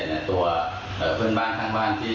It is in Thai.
ที่เป็นผู้เสียหายสามารถแจ้งความประเมินคดีได้